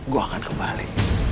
gua akan kembali